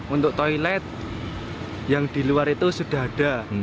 untuk toilet yang di luar itu sudah ada